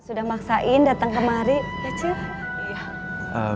sudah maksain datang kemari ya cina